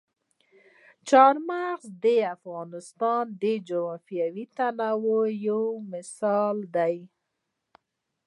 چار مغز د افغانستان د جغرافیوي تنوع یو مثال دی.